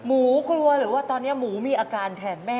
หมูกลัวหรือว่าตอนนี้หมูมีอาการแทนแม่